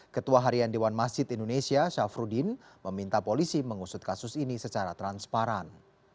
ketua harian dewan masjid indonesia syafruddin meminta polisi mengusut kasus ini secara transparan